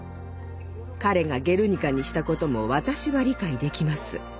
彼が「ゲルニカ」にしたことも私は理解できます。